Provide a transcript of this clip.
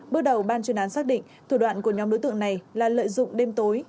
bước đầu ban chuyên án xác định thủ đoạn của nhóm đối tượng này là lợi dụng đêm tối